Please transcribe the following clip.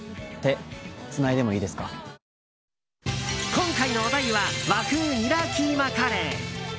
今回のお題は和風ニラキーマカレー。